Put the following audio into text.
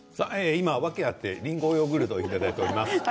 今、訳あってりんごヨーグルトをいただいております。